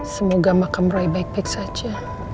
semoga makam rai baik baik saja